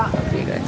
tapi tidak ada